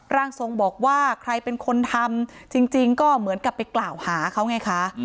ร่างทรงบอกว่าใครเป็นคนทำจริงก็เหมือนกับไปกล่าวหาเขาไงคะ